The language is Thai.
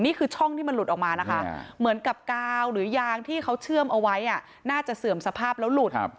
นี่คือช่องที่มันหลุดออกมานะคะเหมือนกับกาวหรือยางที่เขาเชื่อมเอาไว้น่าจะเสื่อมสภาพแล้วหลุด